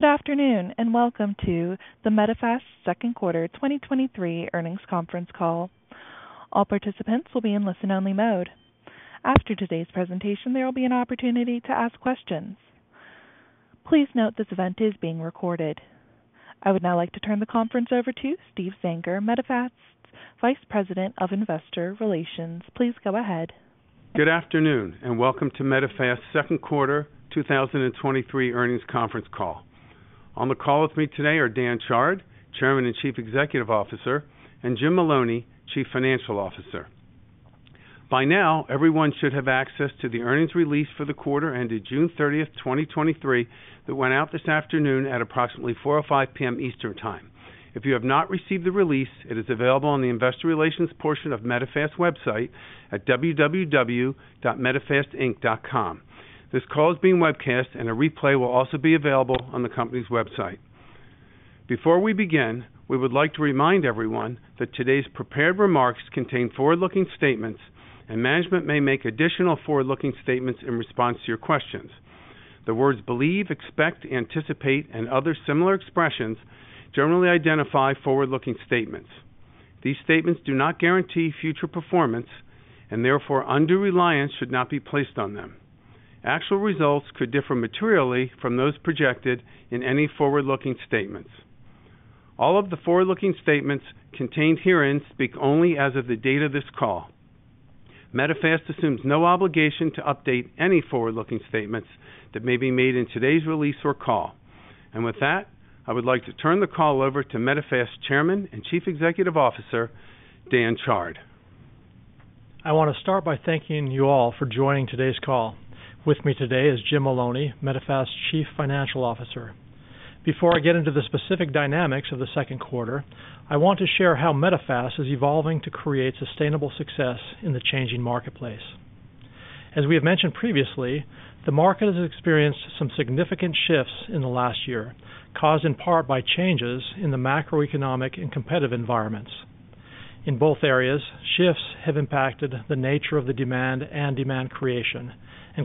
Good afternoon, and welcome to the Medifast Q2 2023 Earnings Conference Call. All participants will be in listen-only mode. After today's presentation, there will be an opportunity to ask questions. Please note this event is being recorded. I would now like to turn the conference over to Steve Zenker, Medifast's Vice President of Investor Relations. Please go ahead. Good afternoon. Welcome to Medifast's Q2 2023 Earnings Conference Call. On the call with me today are Dan Chard, Chairman and Chief Executive Officer, and Jim Maloney, Chief Financial Officer. By now, everyone should have access to the earnings release for the quarter ended 30 June 2023, that went out this afternoon at approximately 4:05PM Eastern Time. If you have not received the release, it is available on the investor relations portion of Medifast website at www.medifastinc.com. This call is being webcast. A replay will also be available on the company's website. Before we begin, we would like to remind everyone that today's prepared remarks contain forward-looking statements. Management may make additional forward-looking statements in response to your questions. The words believe, expect, anticipate, and other similar expressions generally identify forward-looking statements. These statements do not guarantee future performance, and therefore, undue reliance should not be placed on them. Actual results could differ materially from those projected in any forward-looking statements. All of the forward-looking statements contained herein speak only as of the date of this call. Medifast assumes no obligation to update any forward-looking statements that may be made in today's release or call. With that, I would like to turn the call over to Medifast Chairman and Chief Executive Officer, Dan Chard. I want to start by thanking you all for joining today's call. With me today is Jim Maloney, Medifast's Chief Financial Officer. Before I get into the specific dynamics of Q2, I want to share how Medifast is evolving to create sustainable success in the changing marketplace. As we have mentioned previously, the market has experienced some significant shifts in the last year, caused in part by changes in the macroeconomic and competitive environments. In both areas, shifts have impacted the nature of the demand and demand creation and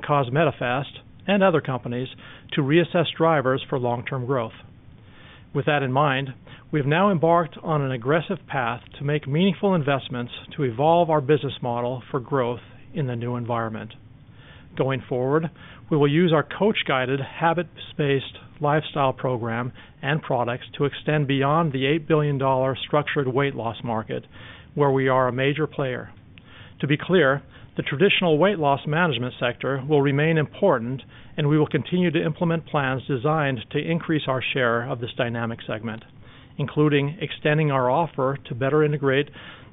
caused Medifast and other companies to reassess drivers for long-term growth. With that in mind, we've now embarked on an aggressive path to make meaningful investments to evolve our business model for growth in the new environment. Going forward, we will use our coach-guided, habits-based lifestyle program and products to extend beyond the $8 billion structured weight loss market, where we are a major player. To be clear, the traditional weight loss management sector will remain important, and we will continue to implement plans designed to increase our share of this dynamic segment, including extending our offer to better integrate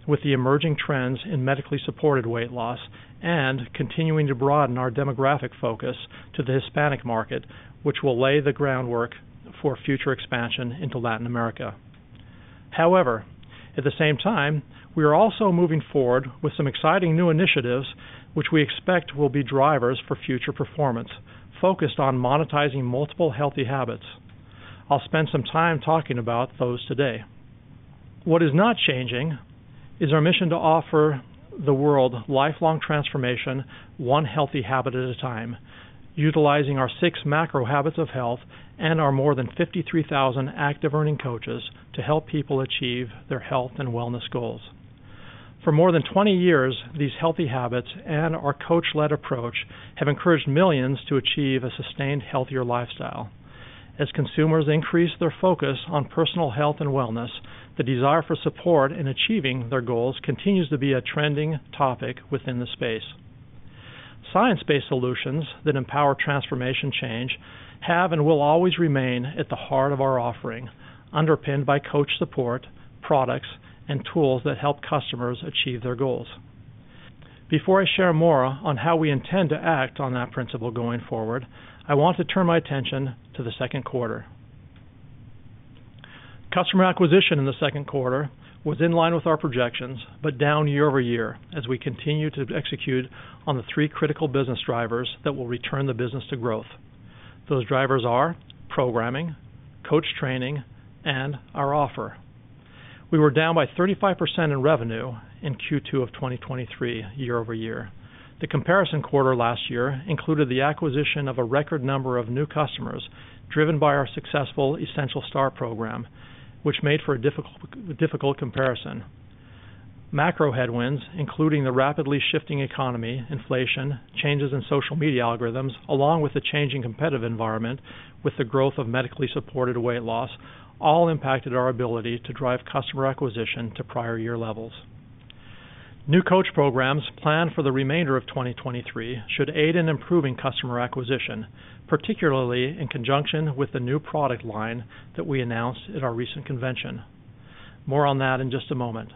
with the emerging trends in medically supported weight loss and continuing to broaden our demographic focus to the Hispanic market, which will lay the groundwork for future expansion into Latin America. At the same time, we are also moving forward with some exciting new initiatives, which we expect will be drivers for future performance, focused on monetizing multiple healthy habits. I'll spend some time talking about those today. What is not changing is our mission to offer the world lifelong transformation, one healthy habit at a time, utilizing our 6 macro Habits of Health and our more than 53,000 active earning coaches to help people achieve their health and wellness goals. For more than 20 years, these healthy habits and our coach-led approach have encouraged millions to achieve a sustained, healthier lifestyle. As consumers increase their focus on personal health and wellness, the desire for support in achieving their goals continues to be a trending topic within the space. Science-based solutions that empower transformation change have and will always remain at the heart of our offering, underpinned by coach support, products, and tools that help customers achieve their goals. Before I share more on how we intend to act on that principle going forward, I want to turn my attention to Q2. Customer acquisition in Q2 was in line with our projections, but down year-over-year as we continue to execute on the three critical business drivers that will return the business to growth. Those drivers are programming, coach training, and our offer. We were down by 35% in revenue in Q2 of 2023, year-over-year. The comparison quarter last year included the acquisition of a record number of new customers, driven by our successful Essential Start program, which made for a difficult comparison. Macro headwinds, including the rapidly shifting economy, inflation, changes in social media algorithms, along with the changing competitive environment with the growth of medically supported weight loss, all impacted our ability to drive customer acquisition to prior year levels. New coach programs planned for the remainder of 2023 should aid in improving customer acquisition, particularly in conjunction with the new product line that we announced at our recent convention. More on that in just a moment.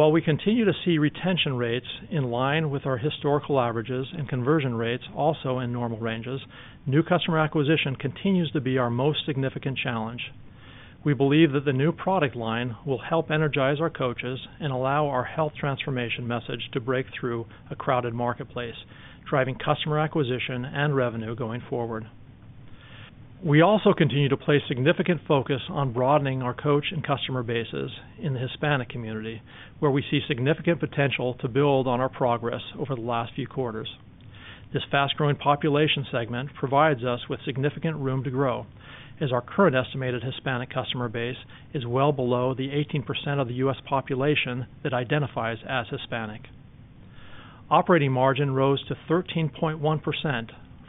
While we continue to see retention rates in line with our historical averages and conversion rates also in normal ranges, new customer acquisition continues to be our most significant challenge. We believe that the new product line will help energize our coaches and allow our health transformation message to break through a crowded marketplace, driving customer acquisition and revenue going forward. We also continue to place significant focus on broadening our coach and customer bases in the Hispanic community, where we see significant potential to build on our progress over the last few quarters. This fast-growing population segment provides us with significant room to grow, as our current estimated Hispanic customer base is well below the 18% of the US population that identifies as Hispanic. Operating margin rose to 13.1%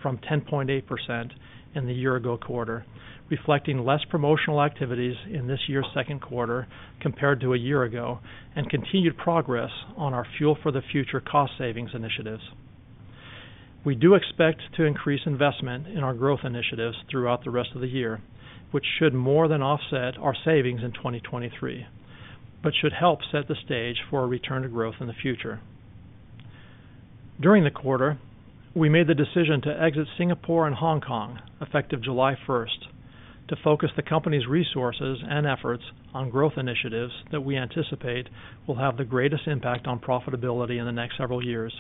from 10.8% in the year-ago quarter, reflecting less promotional activities in this year's Q2 compared to a year ago, and continued progress on our Fuel for the Future cost savings initiatives. We do expect to increase investment in our growth initiatives throughout the rest of the year, which should more than offset our savings in 2023, but should help set the stage for a return to growth in the future. During the quarter, we made the decision to exit Singapore and Hong Kong, effective 1 July 2023, to focus the company's resources and efforts on growth initiatives that we anticipate will have the greatest impact on profitability in the next several years.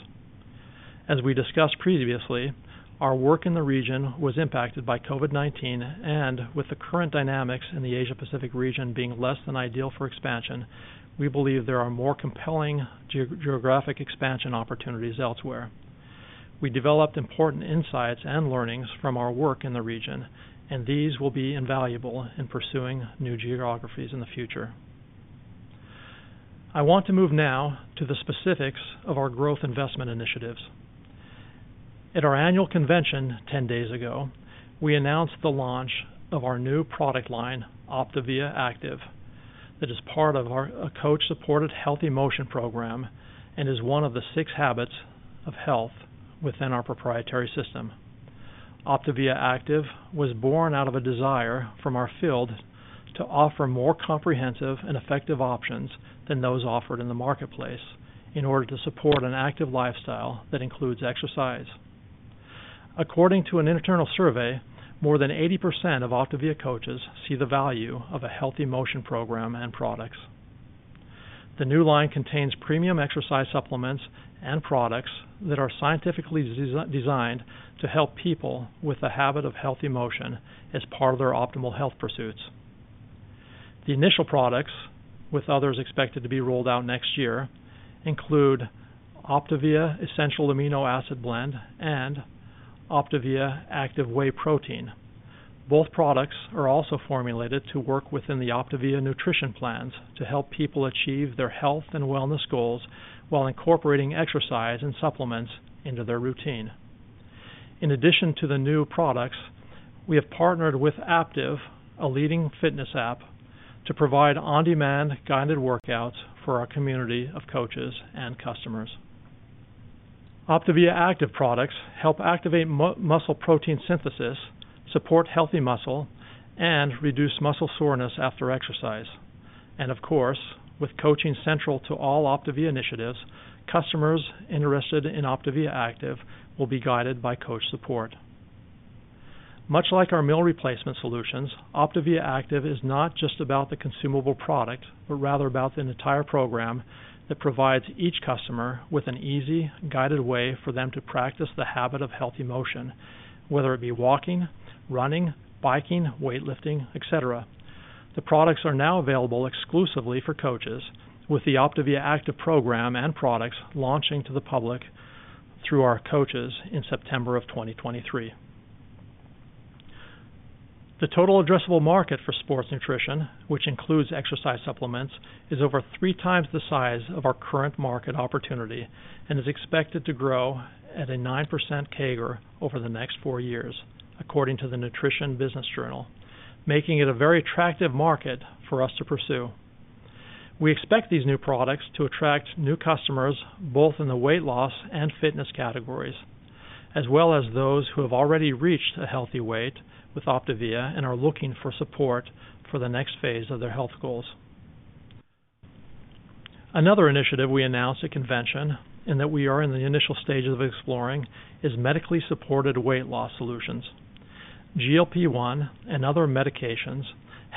As we discussed previously, our work in the region was impacted by COVID-19, and with the current dynamics in the Asia-Pacific region being less than ideal for expansion, we believe there are more compelling geographic expansion opportunities elsewhere. We developed important insights and learnings from our work in the region, and these will be invaluable in pursuing new geographies in the future. I want to move now to the specifics of our growth investment initiatives. At our annual convention 10 days ago, we announced the launch of our new product line, OPTAVIA ACTIVE. That is part of our coach-supported Healthy Motion program and is one of the six Habits of Health within our proprietary system. OPTAVIA ACTIVE was born out of a desire from our field to offer more comprehensive and effective options than those offered in the marketplace in order to support an active lifestyle that includes exercise. According to an internal survey, more than 80% of OPTAVIA coaches see the value of a Healthy Motion program and products. The new line contains premium exercise supplements and products that are scientifically designed to help people with a habit of healthy motion as part of their optimal health pursuits. The initial products, with others expected to be rolled out next year, include OPTAVIA Essential Amino Acid Blend and OPTAVIA ACTIVE Whey Protein. Both products are also formulated to work within the OPTAVIA nutrition plans to help people achieve their health and wellness goals while incorporating exercise and supplements into their routine. In addition to the new products, we have partnered with Aaptiv, a leading fitness app, to provide on-demand, guided workouts for our community of coaches and customers. OPTAVIA ACTIVE products help activate muscle protein synthesis, support healthy muscle, and reduce muscle soreness after exercise. Of course, with coaching central to all OPTAVIA initiatives, customers interested in OPTAVIA ACTIVE will be guided by coach support. Much like our meal replacement solutions, OPTAVIA ACTIVE is not just about the consumable product, but rather about the entire program that provides each customer with an easy, guided way for them to practice the habit of Healthy Motion, whether it be walking, running, biking, weightlifting, et cetera. The products are now available exclusively for coaches, with the OPTAVIA ACTIVE program and products launching to the public through our coaches in September 2023. The total addressable market for sports nutrition, which includes exercise supplements, is over 3x the size of our current market opportunity and is expected to grow at a 9% CAGR over the next four years, according to the Nutrition Business Journal, making it a very attractive market for us to pursue. We expect these new products to attract new customers, both in the weight loss and fitness categories, as well as those who have already reached a healthy weight with OPTAVIA and are looking for support for the next phase of their health goals. Another initiative we announced at convention, and that we are in the initial stages of exploring, is medically supported weight loss solutions. GLP-1 and other medications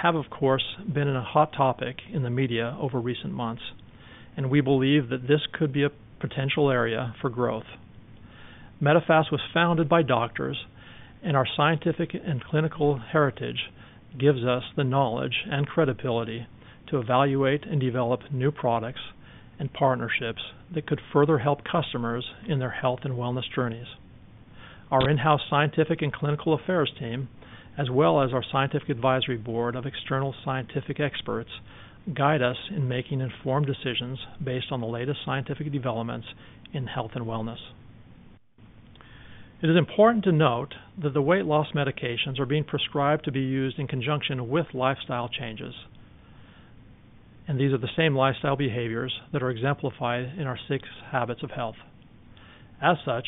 have, of course, been a hot topic in the media over recent months. We believe that this could be a potential area for growth. Medifast was founded by doctors. Our scientific and clinical heritage gives us the knowledge and credibility to evaluate and develop new products and partnerships that could further help customers in their health and wellness journeys. Our in-house scientific and clinical affairs team, as well as our scientific advisory board of external scientific experts, guide us in making informed decisions based on the latest scientific developments in health and wellness. It is important to note that the weight loss medications are being prescribed to be used in conjunction with lifestyle changes. These are the same lifestyle behaviors that are exemplified in our six Habits of Health. As such,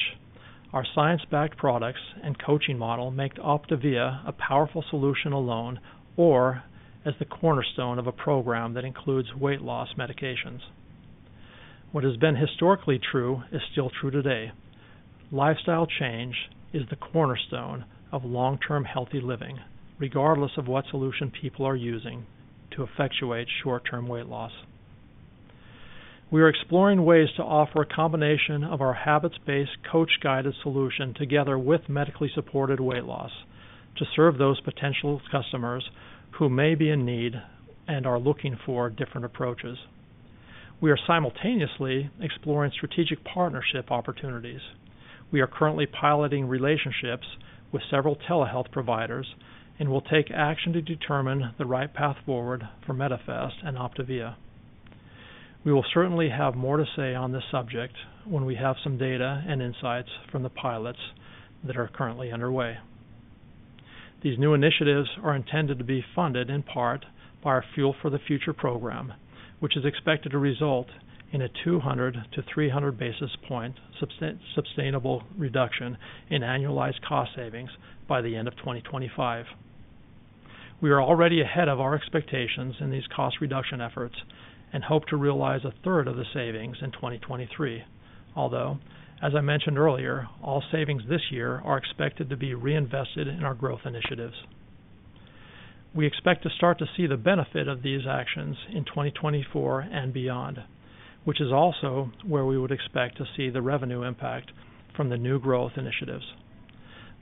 our science-backed products and coaching model make OPTAVIA a powerful solution alone, or as the cornerstone of a program that includes weight loss medications. What has been historically true is still true today: lifestyle change is the cornerstone of long-term healthy living, regardless of what solution people are using to effectuate short-term weight loss. We are exploring ways to offer a combination of our habits-based, coach-guided solution together with medically supported weight loss to serve those potential customers who may be in need and are looking for different approaches. We are simultaneously exploring strategic partnership opportunities. We are currently piloting relationships with several telehealth providers, and we'll take action to determine the right path forward for Medifast and OPTAVIA. We will certainly have more to say on this subject when we have some data and insights from the pilots that are currently underway. These new initiatives are intended to be funded in part by our Fuel for the Future program, which is expected to result in a 200 to 300 basis points sustainable reduction in annualized cost savings by the end of 2025. We are already ahead of our expectations in these cost reduction efforts and hope to realize 1/3 of the savings in 2023. As I mentioned earlier, all savings this year are expected to be reinvested in our growth initiatives. We expect to start to see the benefit of these actions in 2024 and beyond, which is also where we would expect to see the revenue impact from the new growth initiatives.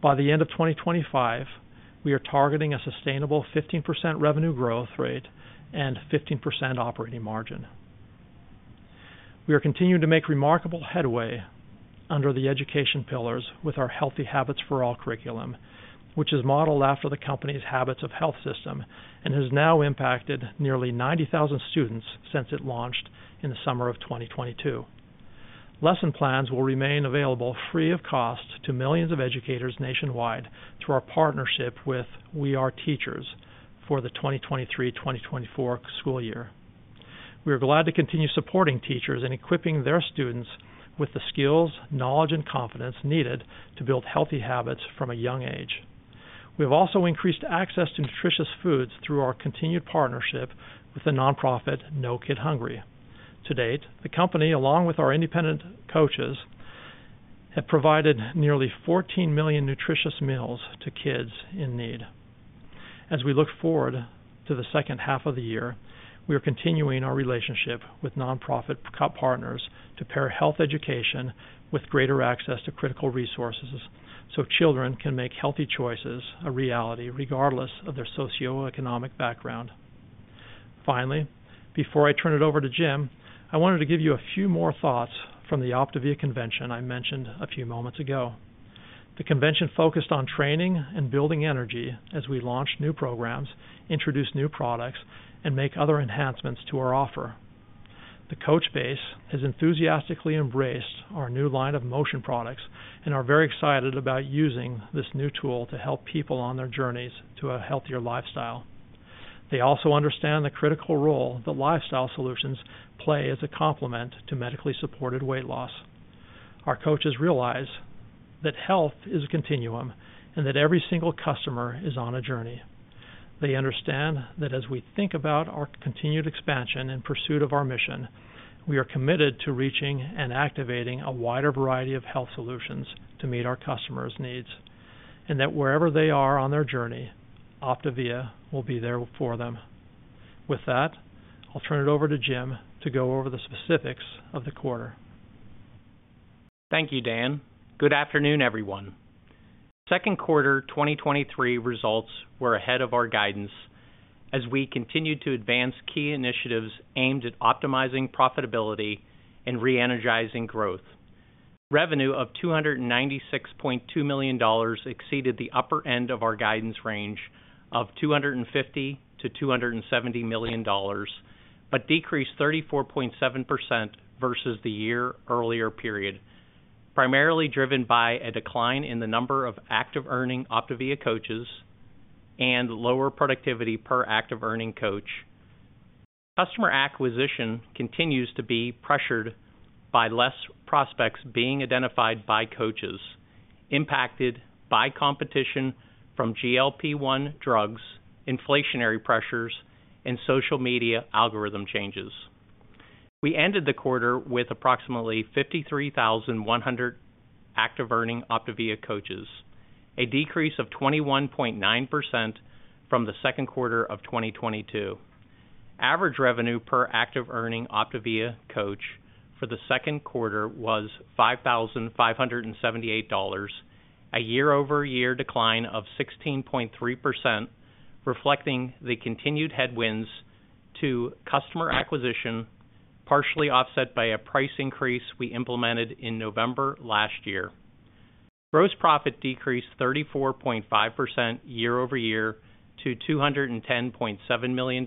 By the end of 2025, we are targeting a sustainable 15% revenue growth rate and 15% operating margin. We are continuing to make remarkable headway under the education pillars with our Healthy Habits For All curriculum, which is modeled after the company's Habits of Health system and has now impacted nearly 90,000 students since it launched in the summer of 2022. Lesson plans will remain available free of cost to millions of educators nationwide through our partnership with We Are Teachers for the 2023/2024 school year. We are glad to continue supporting teachers and equipping their students with the skills, knowledge, and confidence needed to build healthy habits from a young age. We've also increased access to nutritious foods through our continued partnership with the nonprofit, No Kid Hungry. To date, the company, along with our independent coaches, have provided nearly 14 million nutritious meals to kids in need. As we look forward to the second half of the year, we are continuing our relationship with nonprofit partners to pair health education with greater access to critical resources so children can make healthy choices a reality, regardless of their socioeconomic background. Finally, before I turn it over to Jim, I wanted to give you a few more thoughts from the OPTAVIA convention I mentioned a few moments ago. The convention focused on training and building energy as we launch new programs, introduce new products, and make other enhancements to our offer. The coach base has enthusiastically embraced our new line of motion products and are very excited about using this new tool to help people on their journeys to a healthier lifestyle. They also understand the critical role that lifestyle solutions play as a complement to medically supported weight loss. Our coaches realize that health is a continuum and that every single customer is on a journey. They understand that as we think about our continued expansion in pursuit of our mission, we are committed to reaching and activating a wider variety of health solutions to meet our customers' needs, and that wherever they are on their journey, OPTAVIA will be there for them. With that, I'll turn it over to Jim to go over the specifics of the quarter. Thank you, Dan. Good afternoon, everyone. Q2 2023 results were ahead of our guidance as we continued to advance key initiatives aimed at optimizing profitability and re-energizing growth. Revenue of $296.2 million exceeded the upper end of our guidance range of $250 to 270 million, but decreased 34.7% versus the year earlier period, primarily driven by a decline in the number of active earning OPTAVIA coaches and lower productivity per active earning coach. Customer acquisition continues to be pressured by less prospects being identified by coaches, impacted by competition from GLP-1 drugs, inflationary pressures, and social media algorithm changes. We ended the quarter with approximately 53,100 active earning OPTAVIA coaches, a decrease of 21.9% from Q2 of 2022. Average revenue per active earning OPTAVIA coach for Q2 was $5,578, a year-over-year decline of 16.3%, reflecting the continued headwinds to customer acquisition, partially offset by a price increase we implemented in November last year. Gross profit decreased 34.5% year-over-year to $210.7 million,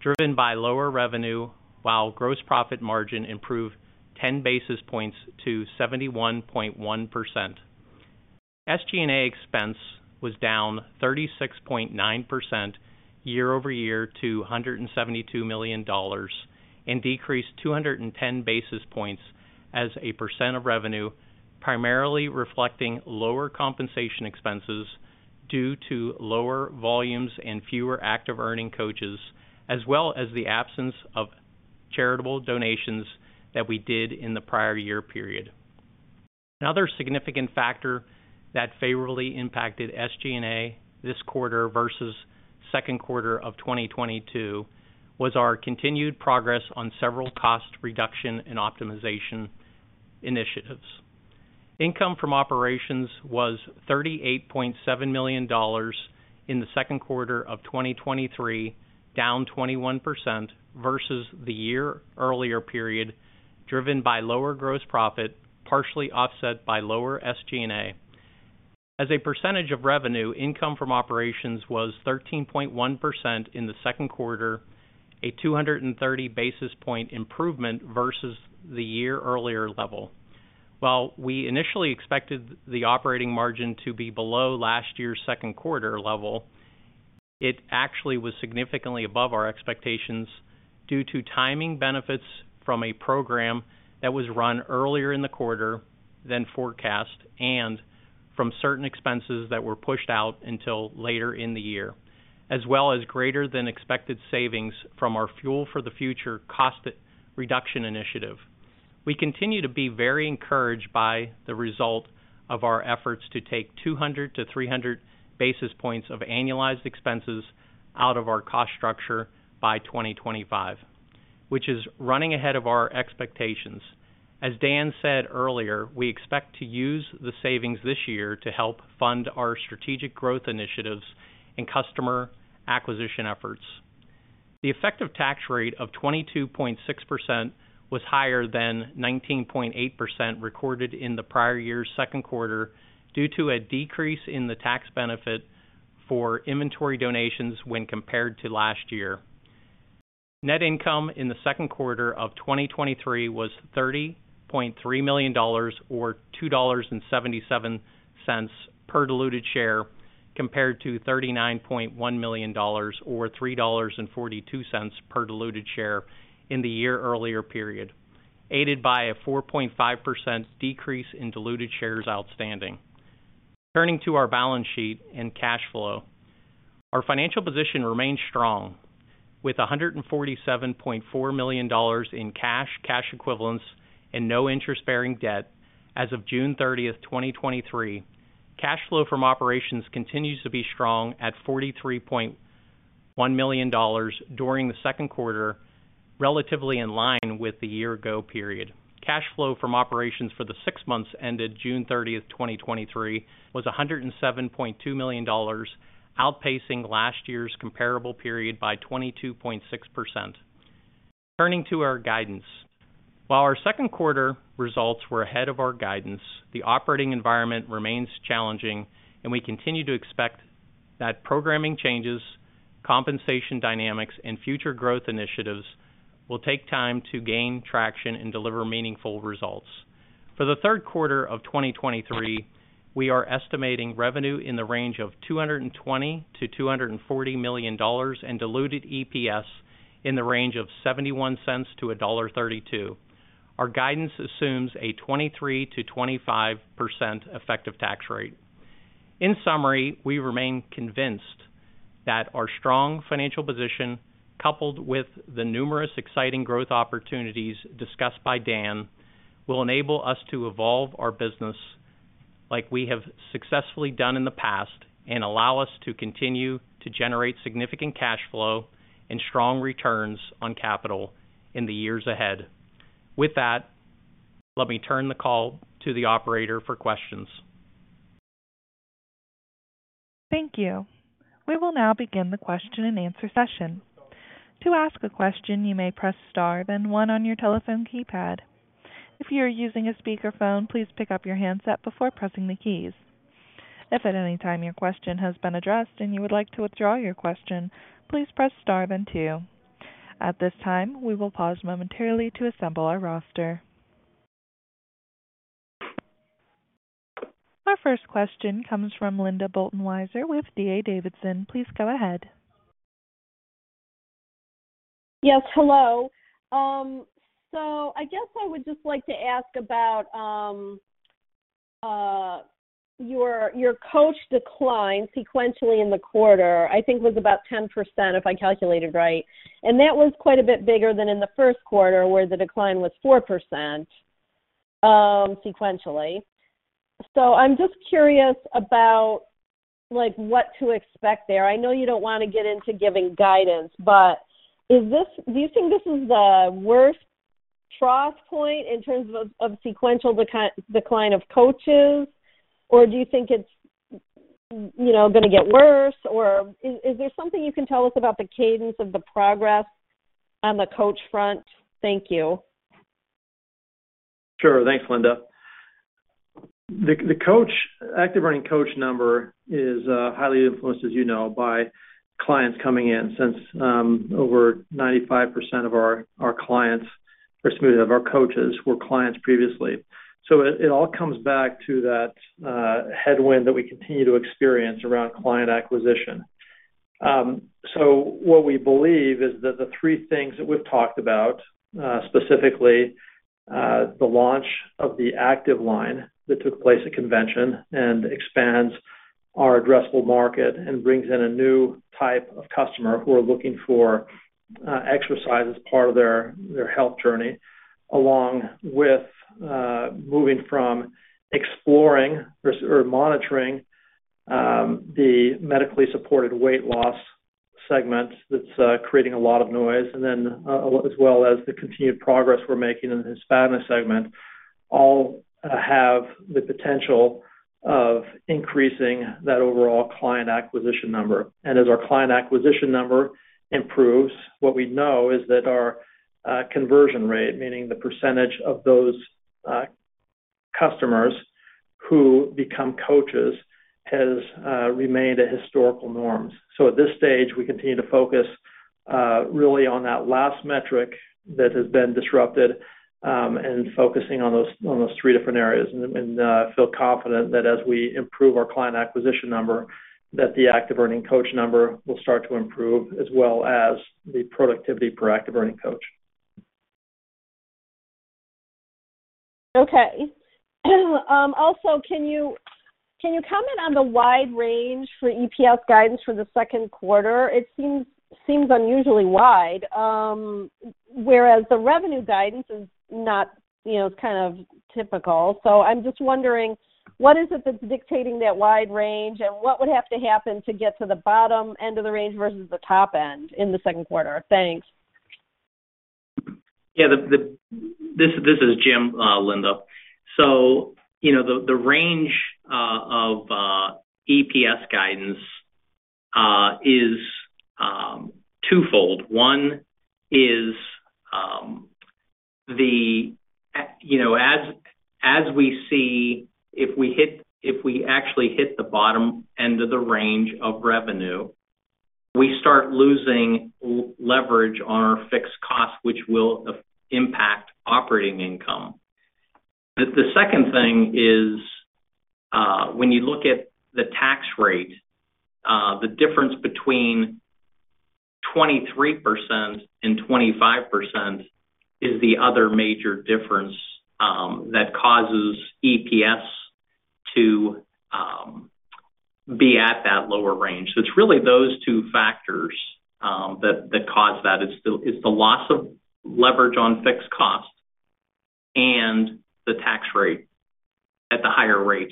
driven by lower revenue, while gross profit margin improved 10 basis points to 71.1%. SG&A expense was down 36.9% year-over-year to $172 million and decreased 210 basis points as a % of revenue, primarily reflecting lower compensation expenses due to lower volumes and fewer active earning coaches, as well as the absence of charitable donations that we did in the prior year period. Another significant factor that favorably impacted SG&A this quarter versus Q2 of 2022, was our continued progress on several cost reduction and optimization initiatives. Income from operations was $38.7 million in Q2 of 2023, down 21% versus the year earlier period, driven by lower gross profit, partially offset by lower SG&A. As a percentage of revenue, income from operations was 13.1% in Q2, a 230 basis point improvement versus the year earlier level. While we initially expected the operating margin to be below last year's Q2 level, it actually was significantly above our expectations due to timing benefits from a program that was run earlier in the quarter than forecast, and from certain expenses that were pushed out until later in the year, as well as greater than expected savings from our Fuel for the Future cost reduction initiative. We continue to be very encouraged by the result of our efforts to take 200 to 300 basis pointss of annualized expenses out of our cost structure by 2025, which is running ahead of our expectations. As Dan said earlier, we expect to use the savings this year to help fund our strategic growth initiatives and customer acquisition efforts. The effective tax rate of 22.6% was higher than 19.8% recorded in the prior year's Q2, due to a decrease in the tax benefit for inventory donations when compared to last year. Net income in Q2 of 2023 was $30.3 million, or $2.77 per diluted share, compared to $39.1 million, or $3.42 per diluted share in the year-earlier period, aided by a 4.5% decrease in diluted shares outstanding. Turning to our balance sheet and cash flow. Our financial position remains strong, with $147.4 million in cash, cash equivalents, and no interest-bearing debt as of 30 June 2023. Cash flow from operations continues to be strong at $43.1 million during Q2, relatively in line with the year-ago period. Cash flow from operations for the 6 months ended 30 June 2023, was $107.2 million, outpacing last year's comparable period by 22.6%. Turning to our guidance. While our Q2 results were ahead of our guidance, the operating environment remains challenging, and we continue to expect that programming changes, compensation dynamics, and future growth initiatives will take time to gain traction and deliver meaningful results. For Q3 of 2023, we are estimating revenue in the range of $220 to 240 million and diluted EPS in the range of $0.71 to 1.32. Our guidance assumes a 23% to 25% effective tax rate. In summary, we remain convinced that our strong financial position, coupled with the numerous exciting growth opportunities discussed by Dan, will enable us to evolve our business like we have successfully done in the past and allow us to continue to generate significant cash flow and strong returns on capital in the years ahead. With that, let me turn the call to the operator for questions. Thank you. We will now begin the question-and-answer session. To ask a question, you may press Star then one on your telephone keypad. If you are using a speakerphone, please pick up your handset before pressing the keys. If at any time your question has been addressed and you would like to withdraw your question, please press Star then two. At this time, we will pause momentarily to assemble our roster. Our first question comes from Linda Bolton Weiser with D.A. Davidson. Please go ahead. Hello. I guess I would just like to ask about your, your coach decline sequentially in the quarter. I think it was about 10%, if I calculated right, and that was quite a bit bigger than in the Q1, where the decline was 4% sequentially. I'm just curious about, like, what to expect there. I know you don't want to get into giving guidance, but is this do you think this is the worst trough point in terms of, of sequential decli-decline of coaches? Do you think it's, you know, gonna get worse? Is, is there something you can tell us about the cadence of the progress on the coach front? Thank you. Sure. Thanks, Linda. The, the active earning coach number is highly influenced, as you know, by clients coming in, since over 95% of our, our clients, or excuse me, of our coaches, were clients previously. It, it all comes back to that headwind that we continue to experience around client acquisition. What we believe is that the three things that we've talked about, specifically, the launch of the Active line that took place at convention and expands our addressable market and brings in a new type of customer who are looking for exercise as part of their, their health journey, along with moving from exploring or monitoring, the medically supported weight loss-... segment that's creating a lot of noise, and then, as well as the continued progress we're making in the Hispanic segment, all have the potential of increasing that overall client acquisition number. As our client acquisition number improves, what we know is that our conversion rate, meaning the percentage of those customers who become coaches, has remained at historical norms. At this stage, we continue to focus really on that last metric that has been disrupted, and focusing on those, on those three different areas. Feel confident that as we improve our client acquisition number, that the active earning coach number will start to improve, as well as the productivity per active earning coach. Okay. Also, can you, can you comment on the wide range for EPS guidance for Q2? It seems, seems unusually wide, whereas the revenue guidance is not, you know, it's kind of typical. I'm just wondering: what is it that's dictating that wide range, and what would have to happen to get to the bottom end of the range versus the top end in Q2? Thanks. This is Jim, Linda. You know, the, the range of EPS guidance is twofold. One is, you know, as, as we see, if we hit-- if we actually hit the bottom end of the range of revenue, we start losing l- leverage on our fixed costs, which will af- impact operating income. The, the second thing is, when you look at the tax rate, the difference between 23% and 25% is the other major difference that causes EPS to be at that lower range. It's really those two factors that, that cause that. It's the, it's the loss of leverage on fixed costs and the tax rate at the higher rate.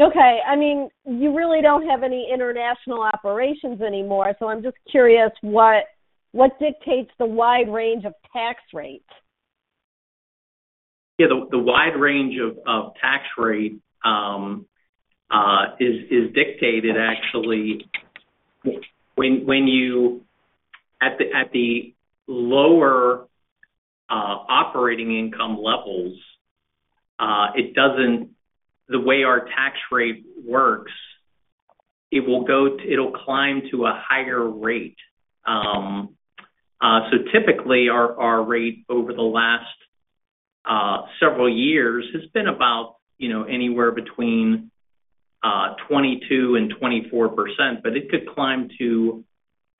Okay. You really don't have any international operations anymore, so I'm just curious, what, what dictates the wide range of tax rates? Yeah, the wide range of tax rate is dictated actually. When you at the lower operating income levels, the way our tax rate works, it will go, it'll climb to a higher rate. Typically, our rate over the last several years has been about, you know, anywhere between 22% and 24%, but it could climb to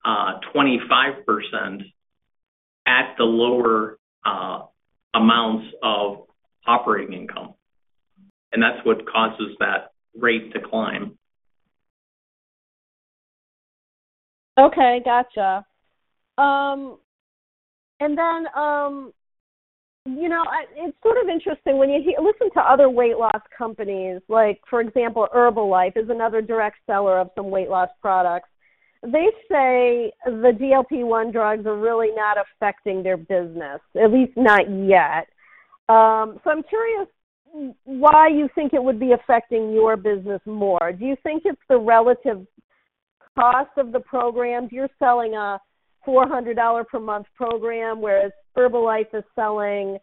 25% at the lower amounts of operating income, and that's what causes that rate to climb. Okay, gotcha. Then, you know, it's sort of interesting when you hear listen to other weight loss companies, like, for example, Herbalife is another direct seller of some weight loss products. They say the GLP-1 drugs are really not affecting their business, at least not yet. I'm curious w- why you think it would be affecting your business more. Do you think it's the relative cost of the programs? You're selling a $400 per month program, whereas Herbalife is selling,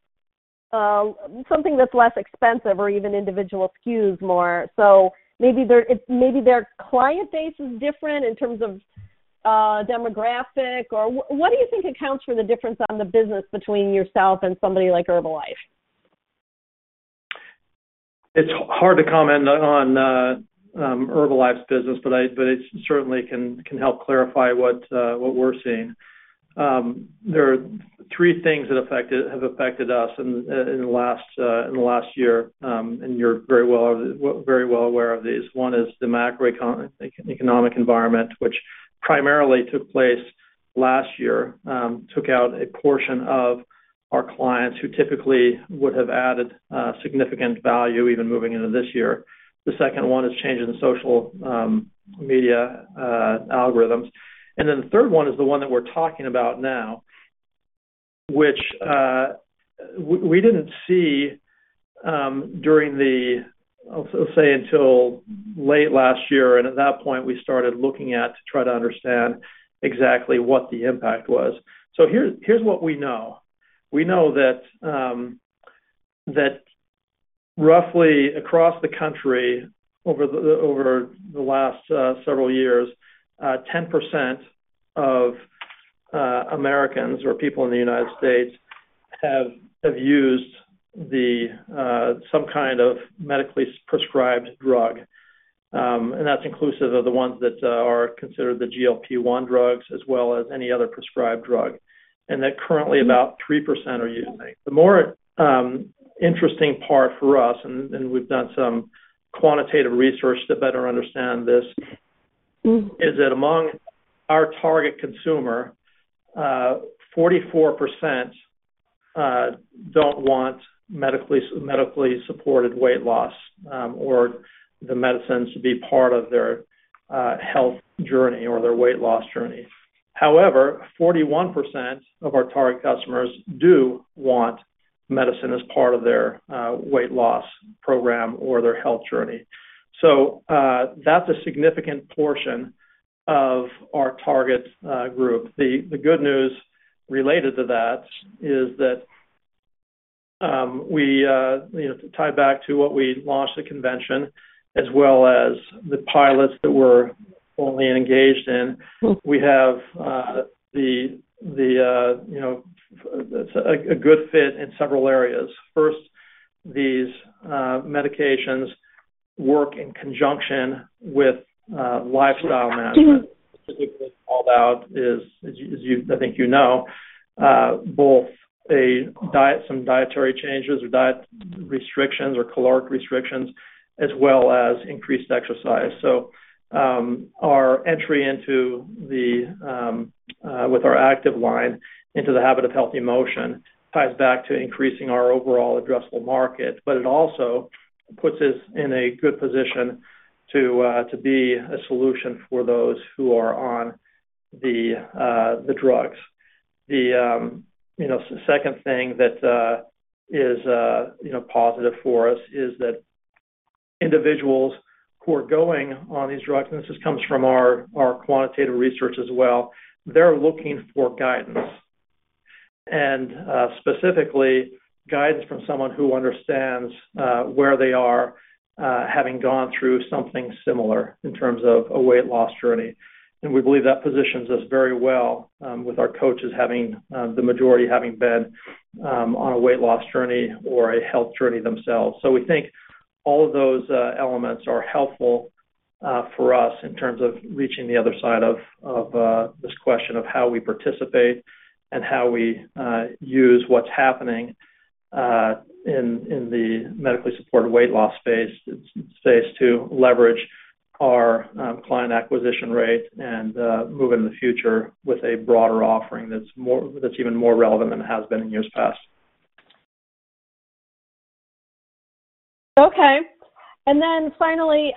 something that's less expensive or even individual SKUs more. Maybe their, it maybe their client base is different in terms of, demographic or what do you think accounts for the difference on the business between yourself and somebody like Herbalife? It's hard to comment on Herbalife's business, but it certainly can, can help clarify what we're seeing. There are three things that affected have affected us in the, in the last year, and you're very well, very well aware of these. One is the macroeconomic environment, which primarily took place last year, took out a portion of our clients who typically would have added significant value, even moving into this year. The second one is changes in social media algorithms. Then the third one is the one that we're talking about now, which we didn't see during the, I'll, I'll say until late last year, and at that point, we started looking at to try to understand exactly what the impact was. Here's, here's what we know. We know that, that roughly across the country, over the, over the last, several years, 10% of, Americans or people in the United States have, have used the, some kind of medically prescribed drug. That's inclusive of the ones that, are considered the GLP-1 drugs, as well as any other prescribed drug, and that currently about 3% are using. The more, interesting part for us, and, and we've done some quantitative research to better understand this. Is that among our target consumer, 44% don't want medically, medically supported weight loss, or the medicines to be part of their health journey or their weight loss journey. However, 41% of our target customers do want medicine as part of their weight loss program or their health journey. That's a significant portion of our target group. The good news related to that is that, we, you know, to tie back to what we launched at convention, as well as the pilots that we're formally engaged in, we have, you know, a good fit in several areas. First, these medications work in conjunction with lifestyle management. Specifically, called out is, as you, I think you know, both a diet, some dietary changes or diet restrictions or caloric restrictions, as well as increased exercise. Our entry into the with our Active line into the habit of Healthy Motion ties back to increasing our overall addressable market, but it also puts us in a good position to to be a solution for those who are on the the drugs. The, you know, second thing that is, you know, positive for us is that individuals who are going on these drugs, and this just comes from our, our quantitative research as well, they're looking for guidance. Specifically, guidance from someone who understands where they are having gone through something similar in terms of a weight loss journey. We believe that positions us very well, with our coaches having, the majority having been, on a weight loss journey or a health journey themselves. We think all of those elements are helpful for us in terms of reaching the other side of, of, this question of how we participate and how we use what's happening in, in the medically supported weight loss space to leverage our client acquisition rate and move into the future with a broader offering that's even more relevant than it has been in years past. Okay. Then finally,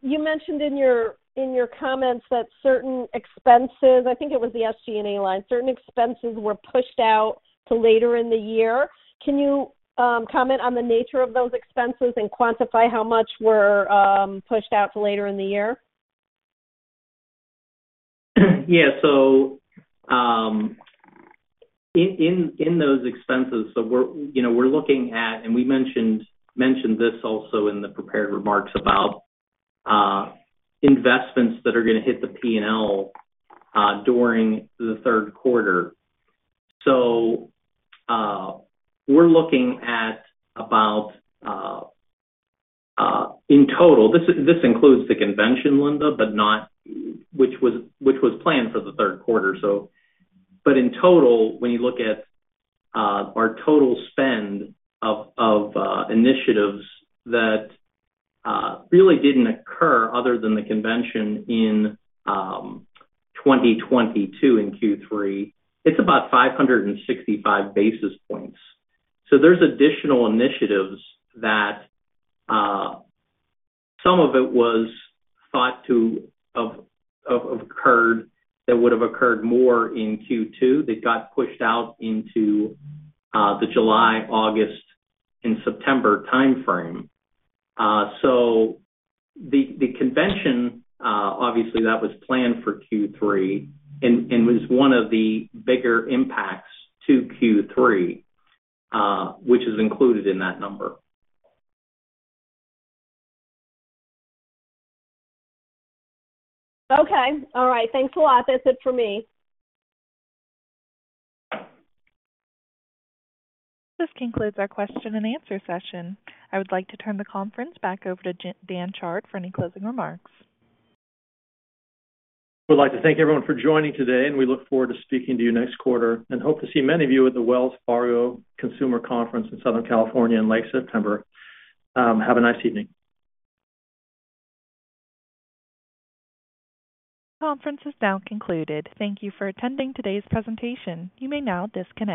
you mentioned in your, in your comments that certain expenses, I think it was the SG&A line, certain expenses were pushed out to later in the year. Can you comment on the nature of those expenses and quantify how much were pushed out to later in the year? In those expenses, we're, you know, we're looking at, and we mentioned this also in the prepared remarks about investments that are gonna hit the P&L during Q3. We're looking at about in total. This includes the convention, Linda, but not, which was planned for Q3. In total, when you look at our total spend of initiatives that really didn't occur other than the convention in 2022, in Q3, it's about 565 basis points. There's additional initiatives that some of it was thought to have occurred, that would have occurred more in Q2, that got pushed out into the July, August, and September timeframe. The, the convention, obviously that was planned for Q3 and, and was one of the bigger impacts to Q3, which is included in that number. Okay. All right. Thanks a lot. That's it for me. This concludes our question and answer session. I would like to turn the conference back over to Dan Chard for any closing remarks. We'd like to thank everyone for joining today, and we look forward to speaking to you next quarter, and hope to see many of you at the Wells Fargo Consumer Conference in Southern California in late September. Have a nice evening. Conference is now concluded. Thank you for attending today's presentation. You may now disconnect.